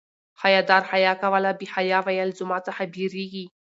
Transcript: حیا دار حیا کوله بې حیا ویل زما څخه بيریږي